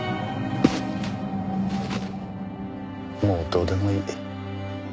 もうどうでもいい。